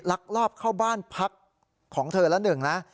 ลักลอบเข้าบ้านพักของเธอละหนึ่งนะ